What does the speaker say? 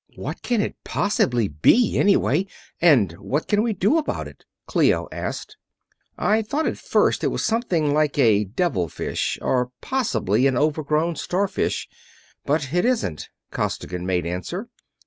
"What can it possibly be, anyway, and what can we do about it?" Clio asked. "I thought at first it was something like a devilfish, or possibly an overgrown starfish, but it isn't," Costigan made answer.